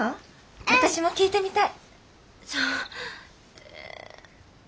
私も聴いてみたい！